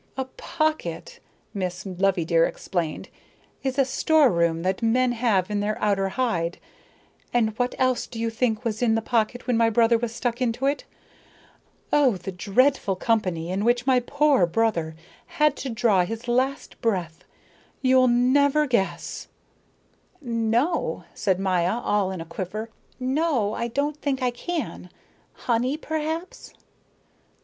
"A pocket," Miss Loveydear explained, "is a store room that men have in their outer hide. And what else do you think was in the pocket when my brother was stuck into it? Oh, the dreadful company in which my poor brother had to draw his last breath! You'll never guess!" "No," said Maya, all in a quiver, "no, I don't think I can. Honey, perhaps?"